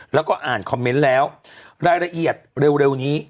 แล้วก็อ่านคอมเมนต์แล้วรายละเอียดเร็วนี้